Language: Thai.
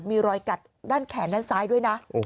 มีรอยกัดด้านแขนด้านซ้ายด้วยนะ